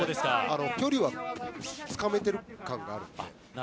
距離はつかめている感があるので。